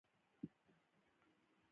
د خپل هر رنګ او هر مخ ښودلو لپاره لټه کوي.